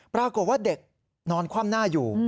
ปรากฏว่าเด็กนอนคว่ำหน้าอยู่